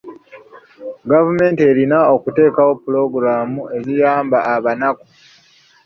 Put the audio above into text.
Gavumenti erina okuteekawo pulogulaamu eziyamba abannaku.